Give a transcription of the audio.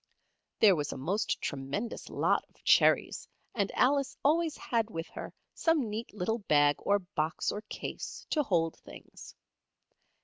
There was a most tremendous lot of cherries and Alice always had with her some neat little bag or box or case, to hold things.